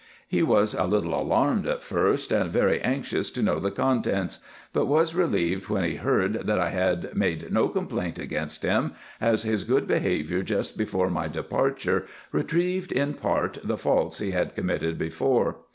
He was a little alarmed at first, and very anxious to know the contents ; but was relieved when he heard, that I had made no complaint against him, as his good behaviour just before my departure retrieved in part the faults he had committed before.